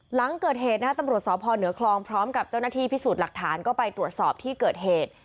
หลังเกิดเหตุนะฮะตำรวจสพเหนือคลองพร้อมกับเจ้าหน้าที่พิสูจน์หลักฐานก็ไปตรวจสอบที่เกิดเหตุ